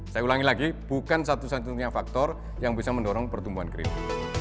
saya ulangi lagi bukan satu satunya faktor yang bisa mendorong pertumbuhan kredit